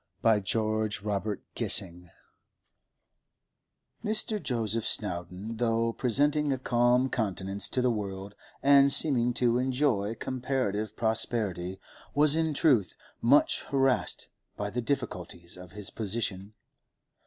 CHAPTER XXII WATCHING FROM AMBUSH Mr. Joseph Snowdon, though presenting a calm countenance to the world and seeming to enjoy comparative prosperity, was in truth much harassed by the difficulties of his position.